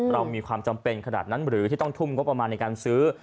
เรามีความจำเป็นขนาดนั้นหรือที่ต้องทุ่มงบประมาณในการซื้อ